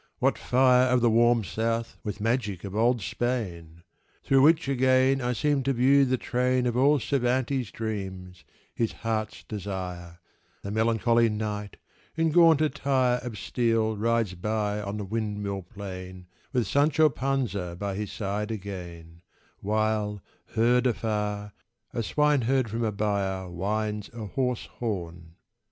what fire Of the "warm South" with magic of old Spain! Through which again I seem to view the train Of all Cervantes' dreams, his heart's desire: The melancholy Knight, in gaunt attire Of steel rides by upon the windmill plain With Sancho Panza by his side again, While, heard afar, a swineherd from a byre Winds a hoarse horn.